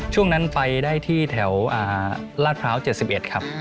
ช่วงนั้นไปได้ที่แถวลาดพร้าว๗๑ครับ